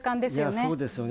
そうですよね。